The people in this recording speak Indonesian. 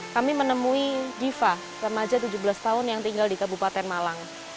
kami menemui diva remaja tujuh belas tahun yang tinggal di kabupaten malang